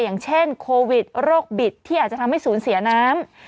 อย่างเช่นโควิดโรคบิดที่อาจจะทำให้ศูนย์เสียน้ำ